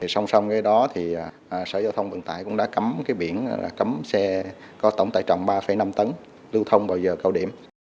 xong xong cái đó thì sở giao thông vận tải cũng đã cấm cái biển cấm xe có tổng tài trọng ba năm tấn lưu thông vào giờ cao điểm